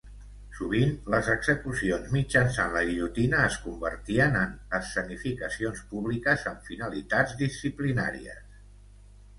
Sovint les execucions mitjançant la guillotina es convertien en escenificacions públiques amb finalitats disciplinàries.